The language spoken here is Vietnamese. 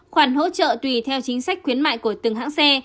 khoản hỗ trợ tùy theo chính sách khuyến mại của từng hãng xe